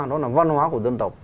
đó là văn hóa của dân tộc